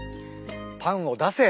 パンを出せ。